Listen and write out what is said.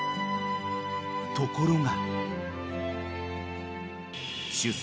［ところが］